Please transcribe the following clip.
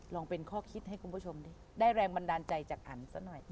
ลองเป็นข้อคิดให้คุณผู้ชมดิได้แรงบันดาลใจจากอันซะหน่อย